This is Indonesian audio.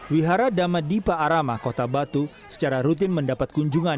wihara dama dipa arama kota batu secara rutin mendapat kunjungan